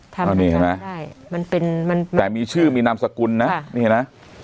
ทำการไม่ได้แต่มีชื่อมีนามสกุลนะนี่นะ